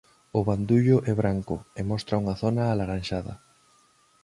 O bandullo é branco e mostra unha zona alaranxada.